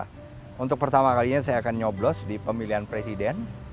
karena pertama kalinya saya akan nyoblos di pemilihan presiden